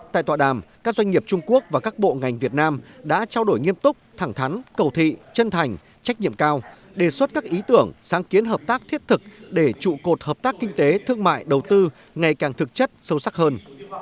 tại tọa đàm các doanh nghiệp trung quốc và các bộ ngành việt nam đã trao đổi nghiêm túc thẳng thắn cầu thị chân thành trách nhiệm cao đề xuất các ý tưởng sáng kiến hợp tác thiết thực để trụ cột hợp tác kinh tế thương mại đầu tư ngày càng thực chất sâu sắc hơn